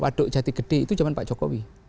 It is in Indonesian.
waduk jati gede itu zaman pak jokowi